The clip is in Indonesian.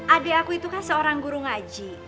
adik aku itu kan seorang guru ngaji